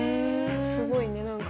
すごいね何か。